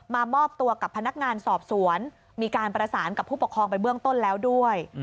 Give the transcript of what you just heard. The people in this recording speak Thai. มอบตัวกับพนักงานสอบสวนมีการประสานกับผู้ปกครองไปเบื้องต้นแล้วด้วย